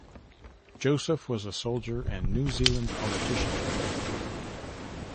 Joseph was a soldier and New Zealand politician.